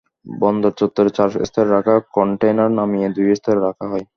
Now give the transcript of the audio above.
বন্দর চত্বরে চার স্তরে রাখা কনটেইনার নামিয়ে দুই স্তরে রাখা হয়।